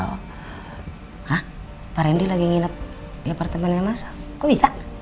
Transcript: hah pak rendy lagi nginep di apartemennya mas sal kok bisa